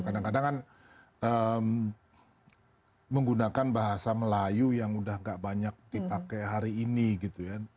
kadang kadang kan menggunakan bahasa melayu yang udah gak banyak dipakai hari ini gitu ya